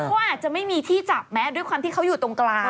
เขาอาจจะไม่มีที่จับแม้ด้วยความที่เขาอยู่ตรงกลาง